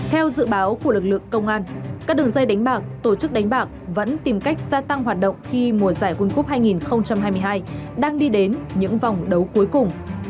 theo dự báo của lực lượng công an các đường dây đánh bạc tổ chức đánh bạc vẫn tìm cách xa tăng hoạt động khi mùa giải world cup hai nghìn hai mươi hai đang đi đến những vòng đấu cuối cùng